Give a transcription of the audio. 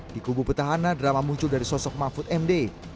di kubu petahana drama muncul dari sosok mahfud md